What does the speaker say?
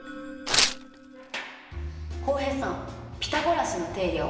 浩平さんピタゴラスの定理は覚えてますか？